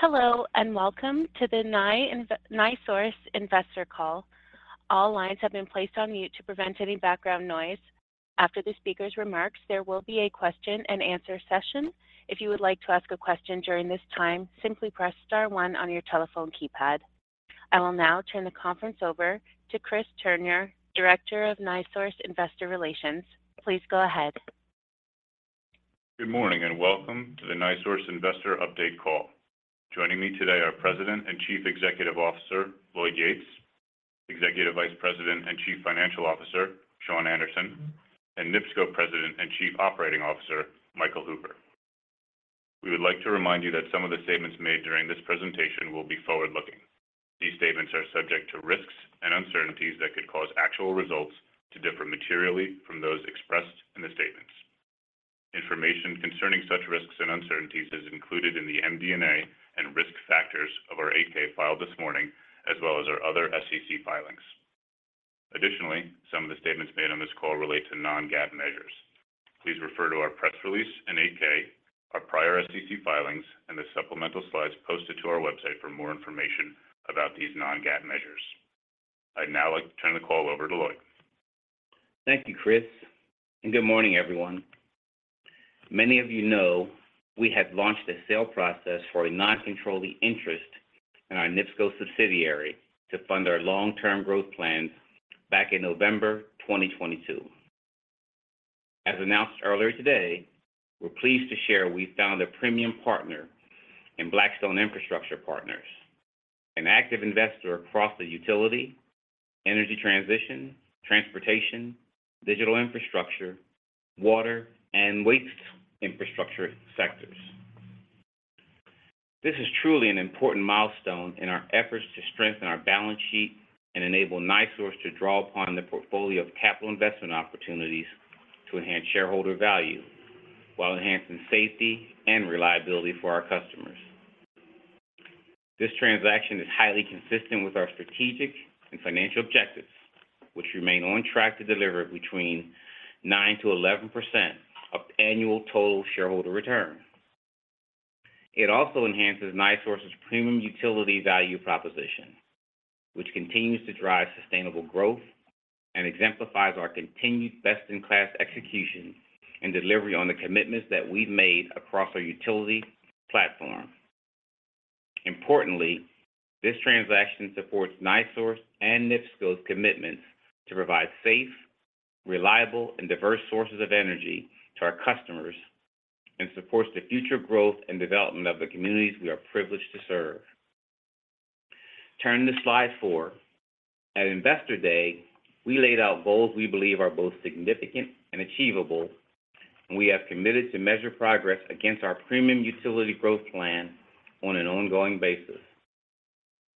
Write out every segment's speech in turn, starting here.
Hello, welcome to the NiSource Investor Call. All lines have been placed on mute to prevent any background noise. After the speaker's remarks, there will be a question-and-answer session. If you would like to ask a question during this time, simply press star one on your telephone keypad. I will now turn the conference over to Chris Turnure, Director of NiSource Investor Relations. Please go ahead. Good morning, and welcome to the NiSource Investor Update Call. Joining me today are President and Chief Executive Officer, Lloyd Yates, Executive Vice President and Chief Financial Officer, Shawn Anderson, and NIPSCO President and Chief Operating Officer, Mike Hooper. We would like to remind you that some of the statements made during this presentation will be forward-looking. These statements are subject to risks and uncertainties that could cause actual results to differ materially from those expressed in the statements. Information concerning such risks and uncertainties is included in the MD&A and risk factors of our 8-K file this morning, as well as our other SEC filings. Additionally, some of the statements made on this call relate to non-GAAP measures. Please refer to our press release and 8-K, our prior SEC filings, and the supplemental slides posted to our website for more information about these non-GAAP measures. I'd now like to turn the call over to Lloyd. Thank you, Chris. Good morning, everyone. Many of you know we have launched a sale process for a non-controlling interest in our NIPSCO subsidiary to fund our long-term growth plans back in November 2022. As announced earlier today, we're pleased to share we found a premium partner in Blackstone Infrastructure Partners, an active investor across the utility, energy transition, transportation, digital infrastructure, water, and waste infrastructure sectors. This is truly an important milestone in our efforts to strengthen our balance sheet and enable NiSource to draw upon the portfolio of capital investment opportunities to enhance shareholder value, while enhancing safety and reliability for our customers. This transaction is highly consistent with our strategic and financial objectives, which remain on track to deliver between 9% to 11% of annual total shareholder return. It also enhances NiSource's premium utility value proposition, which continues to drive sustainable growth and exemplifies our continued best-in-class execution and delivery on the commitments that we've made across our utility platform. Importantly, this transaction supports NiSource and NIPSCO's commitments to provide safe, reliable, and diverse sources of energy to our customers and supports the future growth and development of the communities we are privileged to serve. Turning to slide four, at Investor Day, we laid out goals we believe are both significant and achievable, and we have committed to measure progress against our premium utility growth plan on an ongoing basis.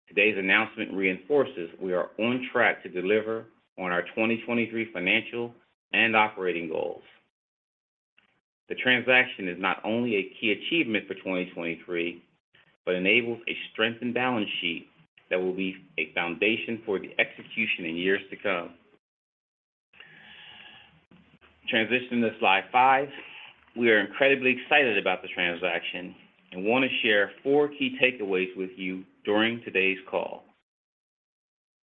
Today's announcement reinforces we are on track to deliver on our 2023 financial and operating goals. The transaction is not only a key achievement for 2023 but enables a strengthened balance sheet that will be a foundation for the execution in years to come. Transitioning to slide five. We are incredibly excited about the transaction and want to share four key takeaways with you during today's call.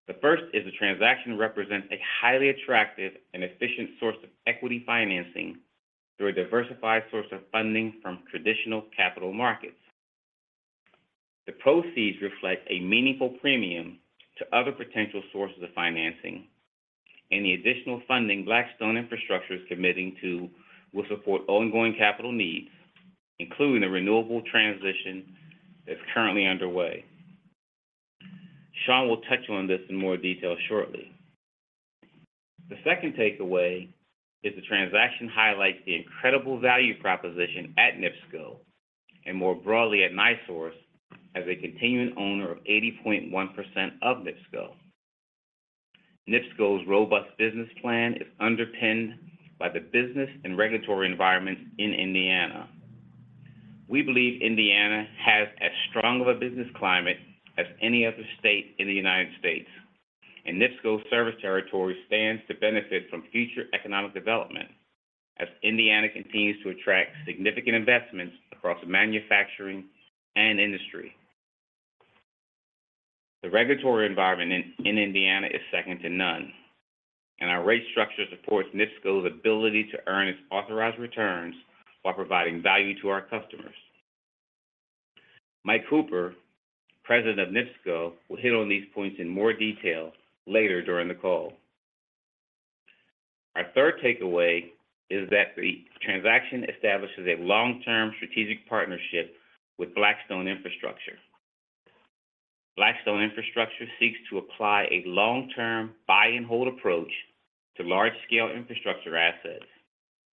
The first is the transaction represents a highly attractive and efficient source of equity financing through a diversified source of funding from traditional capital markets. The proceeds reflect a meaningful premium to other potential sources of financing, and the additional funding Blackstone Infrastructure is committing to will support ongoing capital needs, including the renewable transition that's currently underway. Shawn will touch on this in more detail shortly. The second takeaway is the transaction highlights the incredible value proposition at NIPSCO and, more broadly at NiSource, as a continuing owner of 80.1% of NIPSCO. NIPSCO's robust business plan is underpinned by the business and regulatory environment in Indiana. We believe Indiana has as strong of a business climate as any other state in the United States. NIPSCO's service territory stands to benefit from future economic development as Indiana continues to attract significant investments across manufacturing and industry. The regulatory environment in Indiana is second to none. Our rate structure supports NIPSCO's ability to earn its authorized returns while providing value to our customers. Mike Hooper, President of NIPSCO, will hit on these points in more detail later during the call. Our third takeaway is that the transaction establishes a long-term strategic partnership with Blackstone Infrastructure. Blackstone Infrastructure seeks to apply a long-term buy and hold approach to large-scale infrastructure assets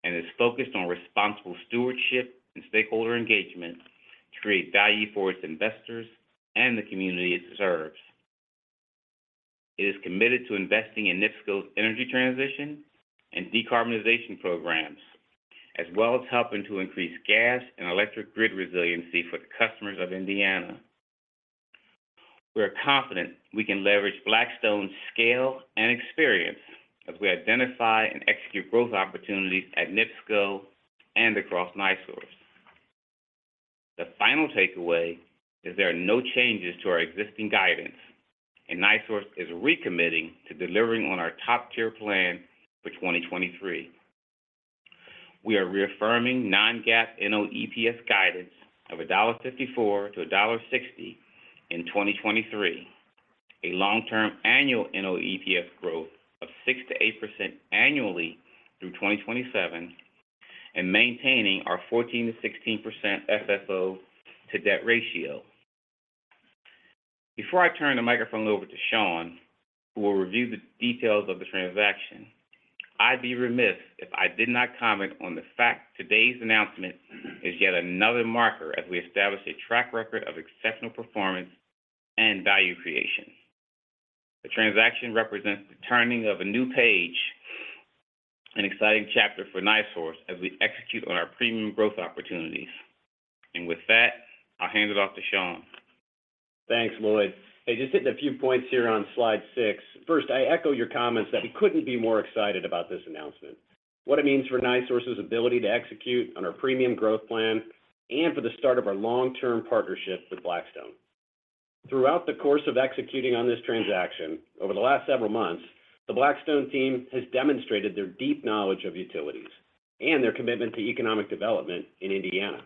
and is focused on responsible stewardship and stakeholder engagement to create value for its investors and the community it serves. It is committed to investing in NIPSCO's energy transition and decarbonization programs, as well as helping to increase gas and electric grid resiliency for the customers of Indiana. We are confident we can leverage Blackstone's scale and experience as we identify and execute growth opportunities at NIPSCO and across NiSource. The final takeaway is there are no changes to our existing guidance. NiSource is recommitting to delivering on our top-tier plan for 2023. We are reaffirming non-GAAP NOEPS guidance of $1.54-$1.60 in 2023, a long-term annual NOEPS growth of 6%-8% annually through 2027, and maintaining our 14%-16% FFO to debt ratio. Before I turn the microphone over to Shawn, who will review the details of the transaction, I'd be remiss if I did not comment on the fact today's announcement is yet another marker as we establish a track record of exceptional performance and value creation. The transaction represents the turning of a new page, an exciting chapter for NiSource as we execute on our premium growth opportunities. With that, I'll hand it off to Shawn. Thanks, Lloyd. Hey, just hitting a few points here on slide six. First, I echo your comments that we couldn't be more excited about this announcement, what it means for NiSource's ability to execute on our premium growth plan and for the start of our long-term partnership with Blackstone. Throughout the course of executing on this transaction, over the last several months, the Blackstone team has demonstrated their deep knowledge of utilities and their commitment to economic development in Indiana.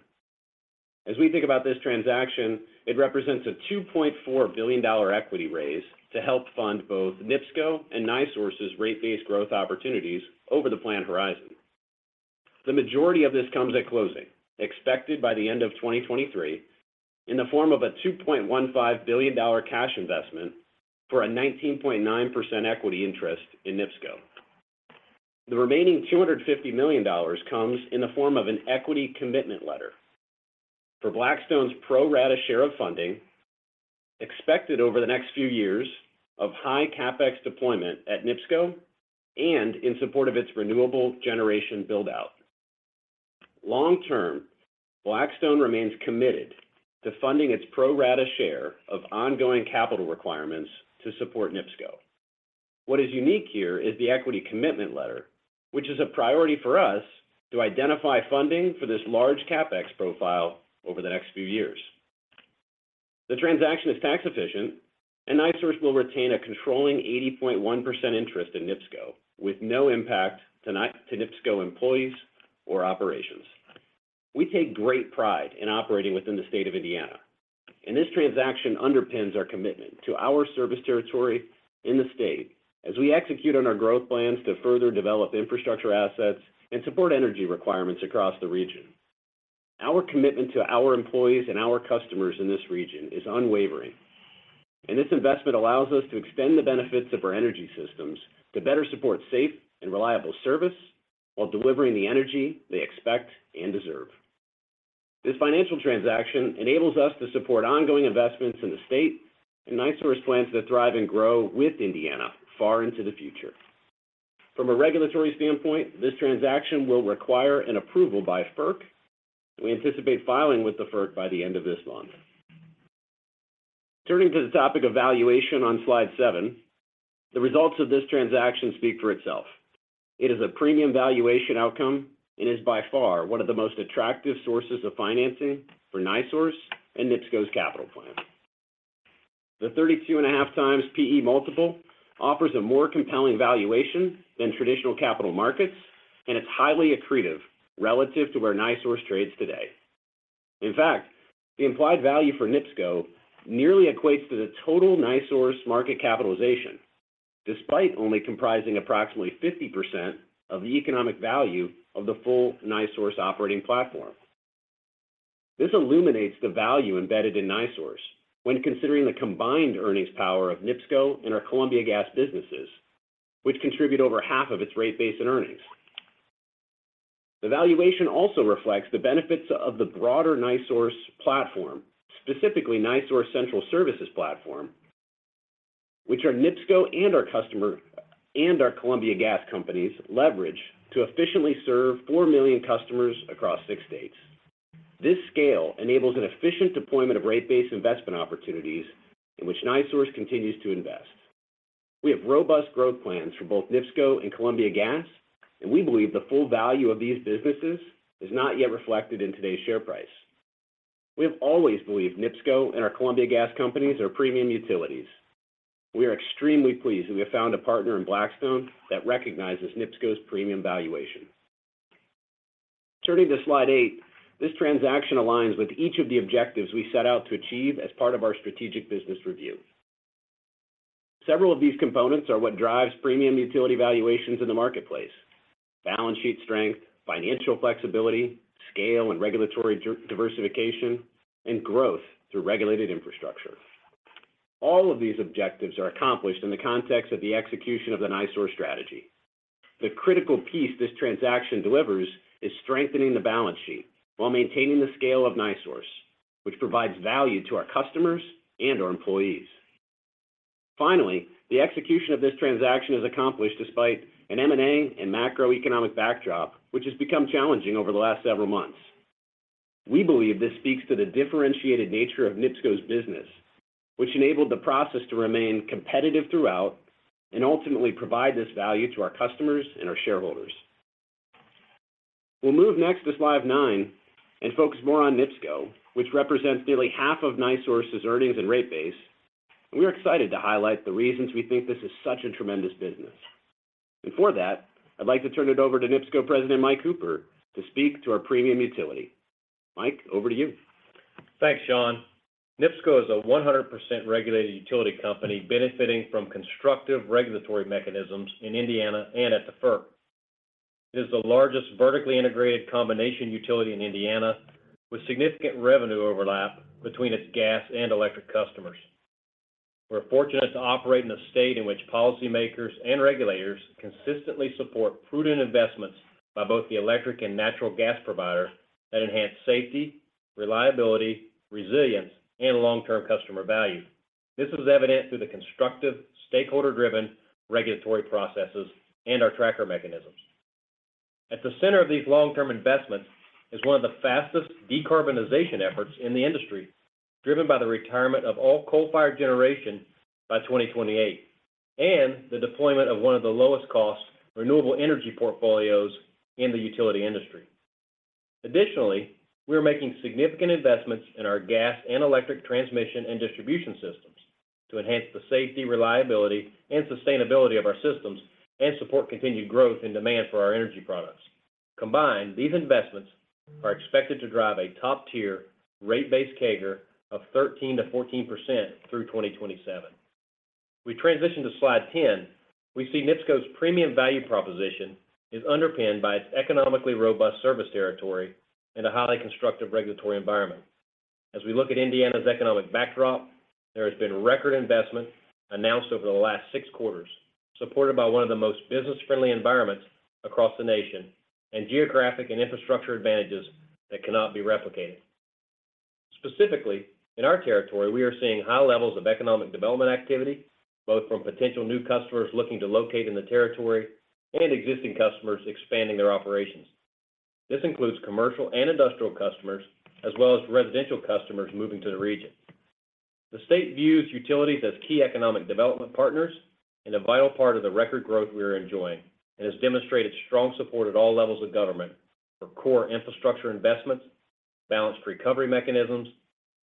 As we think about this transaction, it represents a $2.4 billion equity raise to help fund both NIPSCO and NiSource's rate-based growth opportunities over the planned horizon. The majority of this comes at closing, expected by the end of 2023, in the form of a $2.15 billion cash investment for a 19.9% equity interest in NIPSCO. The remaining $250 million comes in the form of an equity commitment letter. For Blackstone's pro rata share of funding, expected over the next few years of high CapEx deployment at NIPSCO and in support of its renewable generation build-out. Long term, Blackstone remains committed to funding its pro rata share of ongoing capital requirements to support NIPSCO. What is unique here is the equity commitment letter, which is a priority for us to identify funding for this large CapEx profile over the next few years. The transaction is tax efficient, and NiSource will retain a controlling 80.1% interest in NIPSCO, with no impact to NIPSCO employees or operations. We take great pride in operating within the state of Indiana, and this transaction underpins our commitment to our service territory in the state as we execute on our growth plans to further develop infrastructure assets and support energy requirements across the region. Our commitment to our employees and our customers in this region is unwavering, and this investment allows us to extend the benefits of our energy systems to better support safe and reliable service while delivering the energy they expect and deserve. This financial transaction enables us to support ongoing investments in the state, and NiSource plans to thrive and grow with Indiana far into the future. From a regulatory standpoint, this transaction will require an approval by FERC. We anticipate filing with the FERC by the end of this month. Turning to the topic of valuation on slide seven, the results of this transaction speak for itself. It is a premium valuation outcome and is by far one of the most attractive sources of financing for NiSource and NIPSCO's capital plan. The 32.5x PE multiple offers a more compelling valuation than traditional capital markets, and it's highly accretive relative to where NiSource trades today. In fact, the implied value for NIPSCO nearly equates to the total NiSource market capitalization, despite only comprising approximately 50% of the economic value of the full NiSource operating platform. This illuminates the value embedded in NiSource when considering the combined earnings power of NIPSCO and our Columbia Gas businesses, which contribute over half of its rate base and earnings. The valuation also reflects the benefits of the broader NiSource platform, specifically NiSource Central Services platform, which are NIPSCO and our Columbia Gas companies leverage to efficiently serve four million customers across six states. This scale enables an efficient deployment of rate-based investment opportunities in which NiSource continues to invest. We have robust growth plans for both NIPSCO and Columbia Gas. We believe the full value of these businesses is not yet reflected in today's share price. We have always believed NIPSCO and our Columbia Gas companies are premium utilities. We are extremely pleased that we have found a partner in Blackstone that recognizes NIPSCO's premium valuation. Turning to slide eight, this transaction aligns with each of the objectives we set out to achieve as part of our strategic business review. Several of these components are what drives premium utility valuations in the marketplace: balance sheet strength, financial flexibility, scale and regulatory diversification, and growth through regulated infrastructure. All of these objectives are accomplished in the context of the execution of the NiSource strategy. The critical piece this transaction delivers is strengthening the balance sheet while maintaining the scale of NiSource, which provides value to our customers and our employees. Finally, the execution of this transaction is accomplished despite an M&A and macroeconomic backdrop, which has become challenging over the last several months. We believe this speaks to the differentiated nature of NIPSCO's business, which enabled the process to remain competitive throughout and ultimately provide this value to our customers and our shareholders. We'll move next to slide nine and focus more on NIPSCO, which represents nearly half of NiSource's earnings and rate base. We are excited to highlight the reasons we think this is such a tremendous business. For that, I'd like to turn it over to NIPSCO President, Mike Hooper, to speak to our premium utility. Mike, over to you. Thanks, Shawn. NIPSCO is a 100% regulated utility company benefiting from constructive regulatory mechanisms in Indiana and at the FERC. It is the largest vertically integrated combination utility in Indiana, with significant revenue overlap between its gas and electric customers. We're fortunate to operate in a state in which policymakers and regulators consistently support prudent investments by both the electric and natural gas provider that enhance safety, reliability, resilience, and long-term customer value. This is evident through the constructive, stakeholder-driven regulatory processes and our tracker mechanisms. At the center of these long-term investments is one of the fastest decarbonization efforts in the industry, driven by the retirement of all coal-fired generation by 2028, and the deployment of one of the lowest cost renewable energy portfolios in the utility industry. Additionally, we are making significant investments in our gas and electric transmission and distribution systems to enhance the safety, reliability, and sustainability of our systems and support continued growth in demand for our energy products. Combined, these investments are expected to drive a top-tier rate base CAGR of 13%-14% through 2027. We transition to slide 10. We see NIPSCO's premium value proposition is underpinned by its economically robust service territory and a highly constructive regulatory environment. As we look at Indiana's economic backdrop, there has been record investment announced over the last six quarters, supported by one of the most business-friendly environments across the nation and geographic and infrastructure advantages that cannot be replicated. Specifically, in our territory, we are seeing high levels of economic development activity, both from potential new customers looking to locate in the territory and existing customers expanding their operations. This includes commercial and industrial customers, as well as residential customers moving to the region. The state views utilities as key economic development partners and a vital part of the record growth we are enjoying, and has demonstrated strong support at all levels of government for core infrastructure investments, balanced recovery mechanisms,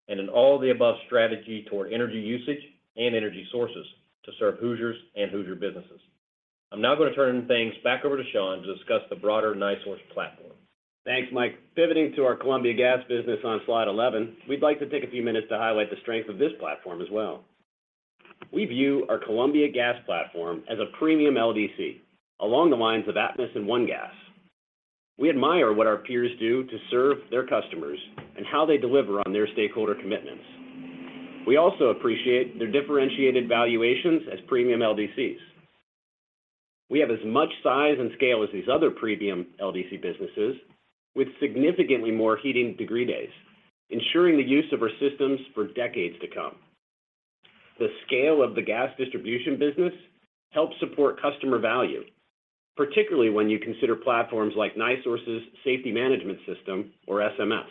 and an all-of-the-above strategy toward energy usage and energy sources to serve Hoosiers and Hoosier businesses. I'm now going to turn things back over to Shawn to discuss the broader NiSource platform. Thanks, Mike. Pivoting to our Columbia Gas business on slide 11, we'd like to take a few minutes to highlight the strength of this platform as well. We view our Columbia Gas platform as a premium LDC, along the lines of Atmos and ONE Gas. We admire what our peers do to serve their customers and how they deliver on their stakeholder commitments. We also appreciate their differentiated valuations as premium LDCs. We have as much size and scale as these other premium LDC businesses, with significantly more heating degree days, ensuring the use of our systems for decades to come. The scale of the gas distribution business helps support customer value, particularly when you consider platforms like NiSource's Safety Management System, or SMS.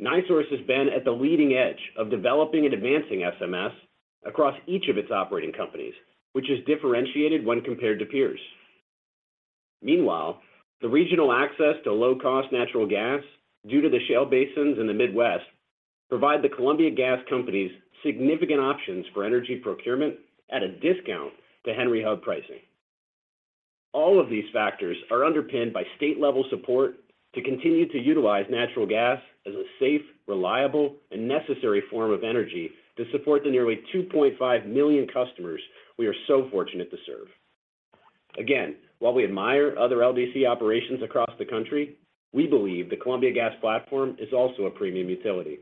NiSource has been at the leading edge of developing and advancing SMS across each of its operating companies, which is differentiated when compared to peers. Meanwhile, the regional access to low-cost natural gas due to the shale basins in the Midwest provide the Columbia Gas companies significant options for energy procurement at a discount to Henry Hub pricing. All of these factors are underpinned by state-level support to continue to utilize natural gas as a safe, reliable, and necessary form of energy to support the nearly 2.5 million customers we are so fortunate to serve. Again, while we admire other LDC operations across the country, we believe the Columbia Gas platform is also a premium utility.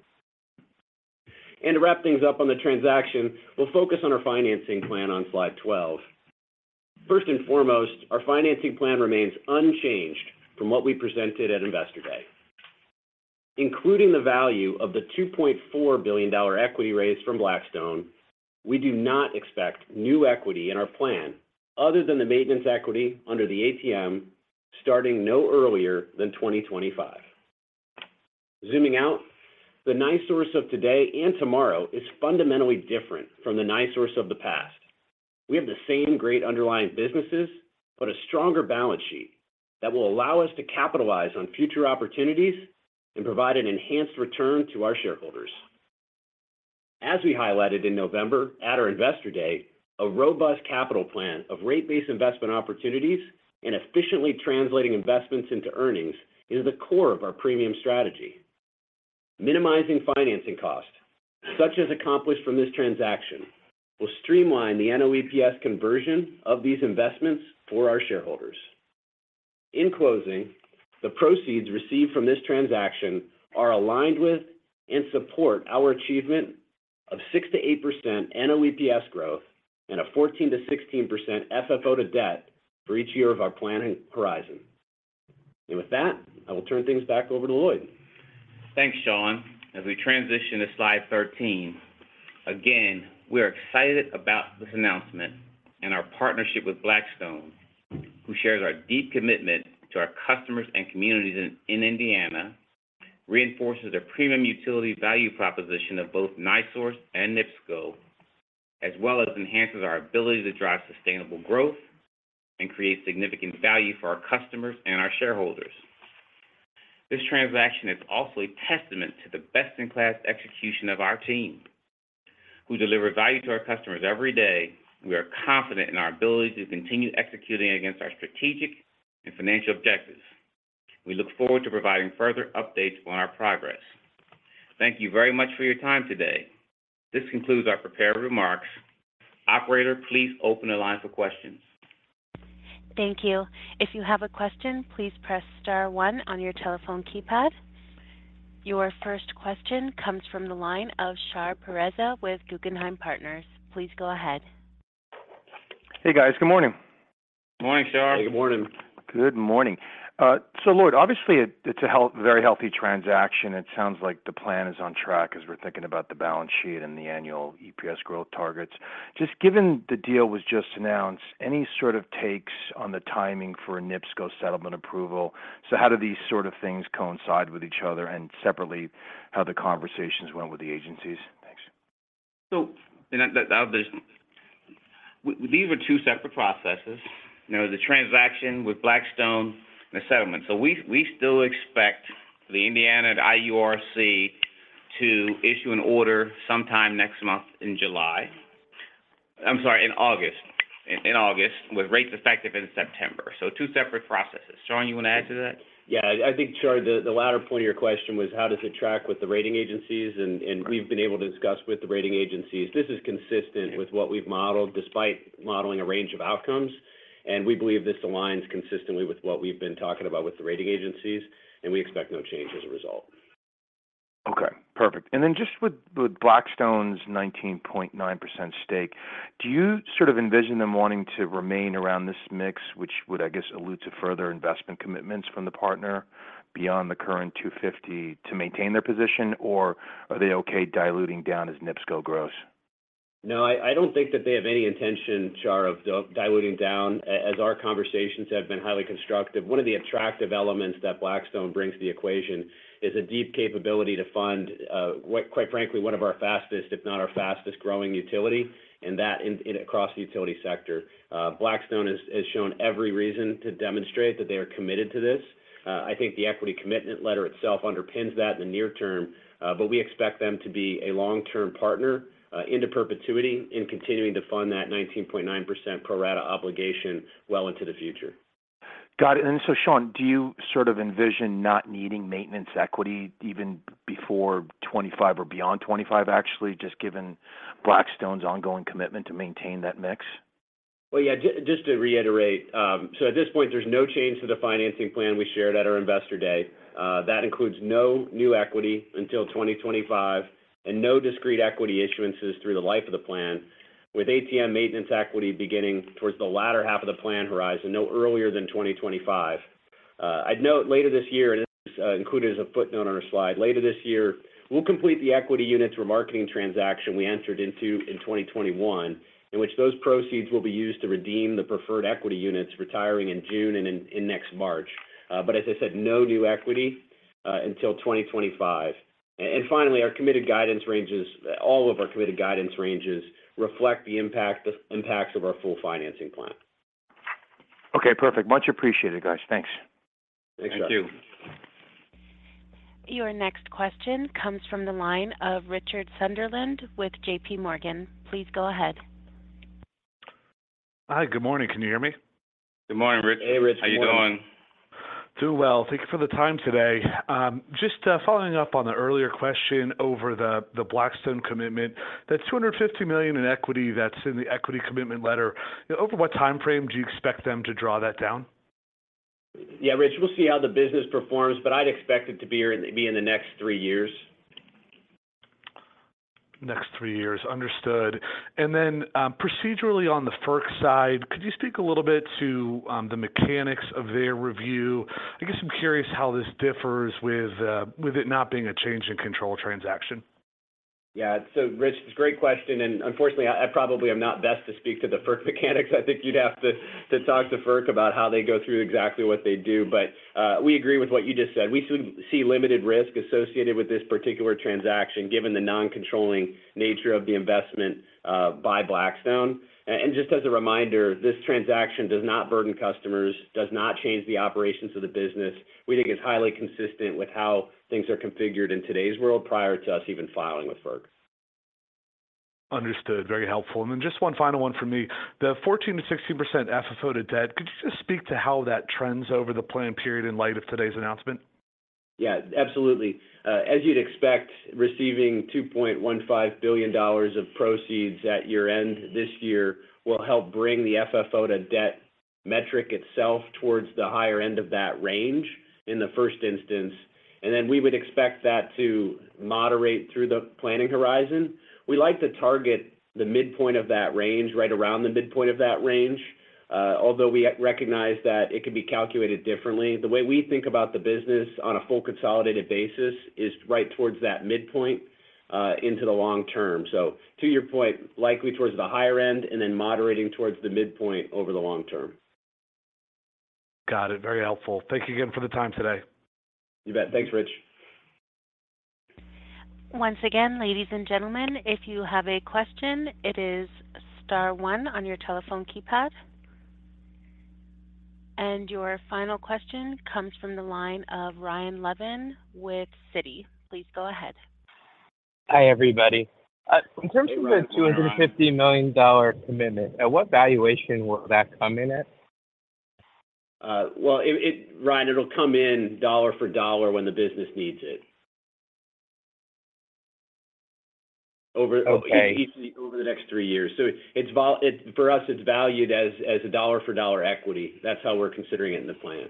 To wrap things up on the transaction, we'll focus on our financing plan on slide 12. First and foremost, our financing plan remains unchanged from what we presented at Investor Day. Including the value of the $2.4 billion equity raise from Blackstone, we do not expect new equity in our plan other than the maintenance equity under the ATM, starting no earlier than 2025. Zooming out, the NiSource of today and tomorrow is fundamentally different from the NiSource of the past. We have the same great underlying businesses, but a stronger balance sheet that will allow us to capitalize on future opportunities and provide an enhanced return to our shareholders. As we highlighted in November at our Investor Day, a robust capital plan of rate-based investment opportunities and efficiently translating investments into earnings is the core of our premium strategy. Minimizing financing costs, such as accomplished from this transaction, will streamline the NOEPS conversion of these investments for our shareholders. In closing, the proceeds received from this transaction are aligned with and support our achievement of 6%-8% NOEPS growth and a 14%-16% FFO to debt for each year of our planning horizon. With that, I will turn things back over to Lloyd. Thanks, Shawn. As we transition to slide 13, again, we are excited about this announcement and our partnership with Blackstone, who shares our deep commitment to our customers and communities in Indiana, reinforces their premium utility value proposition of both NiSource and NIPSCO, as well as enhances our ability to drive sustainable growth and create significant value for our customers and our shareholders. This transaction is also a testament to the best-in-class execution of our team, who deliver value to our customers every day. We are confident in our ability to continue executing against our strategic and financial objectives. We look forward to providing further updates on our progress. Thank you very much for your time today. This concludes our prepared remarks. Operator, please open the line for questions. Thank you. If you have a question, please press star one on your telephone keypad. Your first question comes from the line of Shar Pourreza with Guggenheim Partners. Please go ahead. Hey, guys. Good morning. Good morning, Shar. Hey, good morning. Good morning. Lloyd, obviously, it's a very healthy transaction. It sounds like the plan is on track as we're thinking about the balance sheet and the annual EPS growth targets. Just given the deal was just announced, any sort of takes on the timing for a NIPSCO settlement approval? How do these sort of things coincide with each other, and separately, how the conversations went with the agencies? Thanks. And that, these are two separate processes, you know, the transaction with Blackstone and the settlement. We still expect the Indiana and IURC to issue an order sometime next month in July. I'm sorry, in August. In August, with rates effective in September. Two separate processes. Shawn, you want to add to that? I think, Shar, the latter point of your question was how does it track with the rating agencies? We've been able to discuss with the rating agencies. This is consistent with what we've modeled, despite modeling a range of outcomes, we believe this aligns consistently with what we've been talking about with the rating agencies, we expect no change as a result. Okay, perfect. Then just with Blackstone's 19.9% stake, do you sort of envision them wanting to remain around this mix, which would, I guess, allude to further investment commitments from the partner beyond the current $250 million to maintain their position, or are they okay diluting down as NIPSCO grows? No, I don't think that they have any intention, Shar, of diluting down, as our conversations have been highly constructive. One of the attractive elements that Blackstone brings to the equation is a deep capability to fund, quite frankly, one of our fastest, if not our fastest-growing utility, and that across the utility sector. Blackstone has shown every reason to demonstrate that they are committed to this. I think the equity commitment letter itself underpins that in the near term, but we expect them to be a long-term partner, into perpetuity in continuing to fund that 19.9% pro rata obligation well into the future. Got it. Shawn, do you sort of envision not needing maintenance equity even before 2025 or beyond 2025, actually, just given Blackstone's ongoing commitment to maintain that mix? Well, yeah, just to reiterate, at this point, there's no change to the financing plan we shared at our Investor Day. That includes no new equity until 2025 and no discrete equity issuances through the life of the plan, with ATM maintenance equity beginning towards the latter half of the plan horizon, no earlier than 2025. I'd note, later this year, and this is included as a footnote on our slide, later this year, we'll complete the equity units remarketing transaction we entered into in 2021, in which those proceeds will be used to redeem the preferred equity units retiring in June and in next March. But as I said, no new equity until 2025. Finally, all of our committed guidance ranges reflect the impacts of our full financing plan. Okay, perfect. Much appreciated, guys. Thanks. Thanks, Shar. Thank you. Your next question comes from the line of Richard Sunderland with JPMorgan. Please go ahead. Hi, good morning. Can you hear me? Good morning, Richard. Hey, Richard. How you doing? Doing well. Thank you for the time today. Just following up on the earlier question over the Blackstone commitment, that $250 million in equity that's in the equity commitment letter, over what time frame do you expect them to draw that down? Richard, we'll see how the business performs, but I'd expect it to be in, be in the next three years. Next three years. Understood. Then, procedurally, on the FERC side, could you speak a little bit to the mechanics of their review? I guess I'm curious how this differs with it not being a change in control transaction. Richard, it's a great question, and unfortunately, I probably am not best to speak to the FERC mechanics. I think you'd have to talk to FERC about how they go through exactly what they do. We agree with what you just said. We see limited risk associated with this particular transaction, given the non-controlling nature of the investment by Blackstone. Just as a reminder, this transaction does not burden customers, does not change the operations of the business. We think it's highly consistent with how things are configured in today's world prior to us even filing with FERC. Understood. Very helpful. Just one final one for me. The 14%-16% FFO to debt, could you just speak to how that trends over the plan period in light of today's announcement? Yeah, absolutely. As you'd expect, receiving $2.15 billion of proceeds at year-end this year will help bring the FFO to debt metric itself towards the higher end of that range in the first instance. Then we would expect that to moderate through the planning horizon. We like to target the midpoint of that range, right around the midpoint of that range, although we recognize that it can be calculated differently. The way we think about the business on a full consolidated basis is right towards that midpoint into the long term. To your point, likely towards the higher end and then moderating towards the midpoint over the long term. Got it. Very helpful. Thank you again for the time today. You bet. Thanks, Rich. Once again, ladies and gentlemen, if you have a question, it is star one on your telephone keypad. Your final question comes from the line of Ryan Levine with Citi. Please go ahead. Hi, everybody. Hey, Ryan. In terms of the $250 million commitment, at what valuation will that come in at? Well, it Ryan, it'll come in dollar for dollar when the business needs it. Over- Okay. Over the next three years. It, for us, it's valued as a dollar for dollar equity. That's how we're considering it in the plan.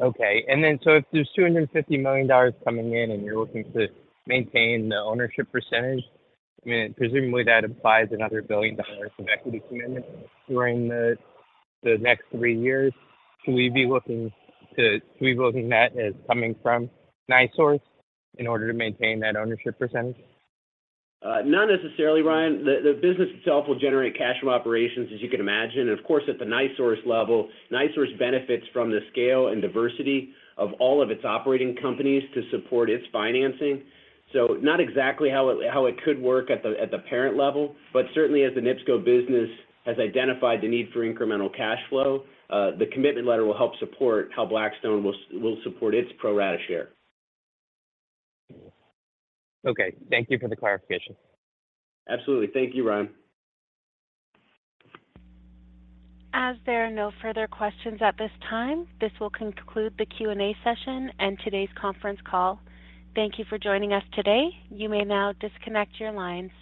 Okay. If there's $250 million coming in and you're looking to maintain the ownership percentage, I mean, presumably that implies another $1 billion of equity commitment during the next three years. Should we be looking that as coming from NiSource in order to maintain that ownership percentage? Not necessarily, Ryan. The business itself will generate cash from operations, as you can imagine. Of course, at the NiSource level, NiSource benefits from the scale and diversity of all of its operating companies to support its financing. Not exactly how it could work at the parent level, but certainly as the NIPSCO business has identified the need for incremental cash flow, the commitment letter will help support how Blackstone will support its pro rata share. Okay. Thank you for the clarification. Absolutely. Thank you, Ryan. As there are no further questions at this time, this will conclude the Q&A session and today's conference call. Thank you for joining us today. You may now disconnect your lines.